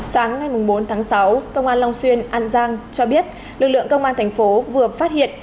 sáng ngày bốn tháng sáu công an long xuyên an giang cho biết lực lượng công an thành phố vừa phát hiện